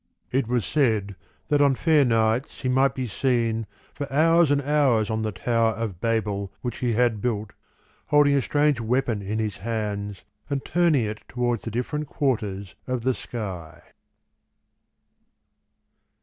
It was said that on fair nights he might be seen for hours and hours on the tower of Babel which he had built, holding a strange weapon in his hands, and turning it towards the different quarters of the sky.